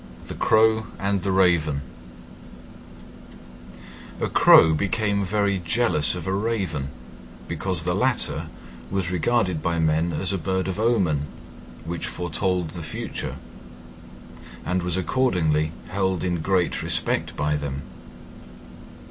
THE CROW AND THE RAVEN A Crow became very jealous of a Raven, because the latter was regarded by men as a bird of omen which foretold the future, and was accordingly held in great respect by them.